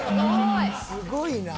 「すごいな！」